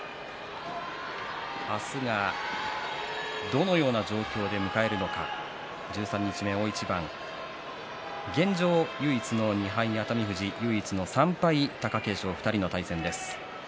明日どのような状況で迎えるのか十三日目、大一番。現状、唯一の２敗熱海富士と唯一３敗貴景勝の２人の対戦です。